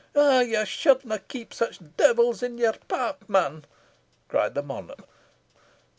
"Ye shouldna keep sic deevils i' your park, man," cried the monarch.